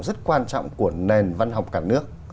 rất quan trọng của nền văn học cả nước